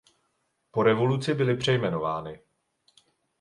Po revoluci byly přejmenovány.